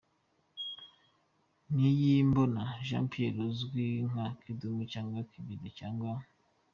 Niyimbona Jean Pierre uzwi nka Kidum cyangwa Kibido cyangwa.